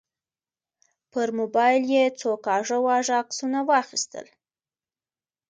پر موبایل یې څو کاږه واږه عکسونه واخیستل.